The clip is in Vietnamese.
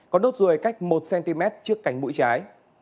có đốt rùi cách một cm trước cánh mũi trái